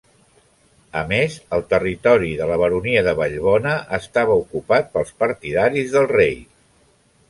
A més, el territori de la baronia de Vallbona estava ocupat pels partidaris del rei.